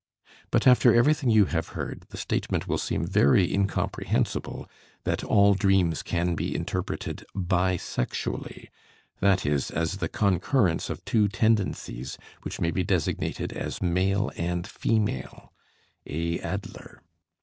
But after everything you have heard, the statement will seem very incomprehensible that all dreams can be interpreted bisexually, that is, as the concurrence of two tendencies which may be designated as male and female (A. Adler).